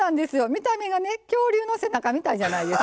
見た目がね恐竜の背中みたいじゃないですか。